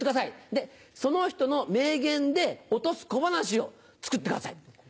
でその人の名言で落とす小噺を作ってください。